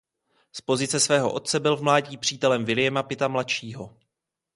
Z pozice svého otce byl v mládí přítelem Williama Pitta mladšího.